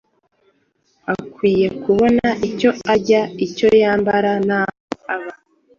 Akwiye kubona icyo arya, icyo yambara n’aho aba.